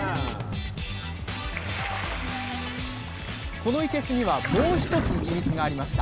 このいけすにはもう一つヒミツがありました。